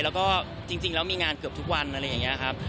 แล้วก็จริงแล้วมีงานเกือบทุกวันอะไรอย่างนี้ครับ